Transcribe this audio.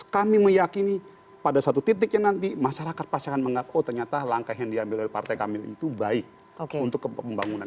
kami meyakini pada satu titiknya nanti masyarakat pasti akan mengaku ternyata langkah yang diambil oleh partai kami itu baik untuk pembangunan